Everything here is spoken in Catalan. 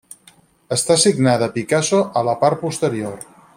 Està signada Picasso a la part posterior.